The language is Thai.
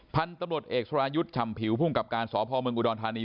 พันธุ์ตำรวจเอกสรายุทธ์ฉ่ำผิวภูมิกับการสพเมืองอุดรธานี